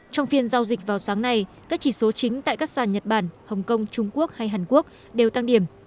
trong phiên giao dịch vào sáng nay các chỉ số chính tại các sàn nhật bản hồng kông trung quốc hay hàn quốc đều tăng điểm